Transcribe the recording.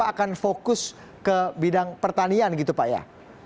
akan fokus ke bidang pertanian gitu pak ya